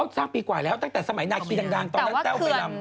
สร้างปีกว่าแล้วตั้งแต่สมัยนาคีดังตอนนั้นแต้วไปลำ